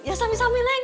ya sami sami leng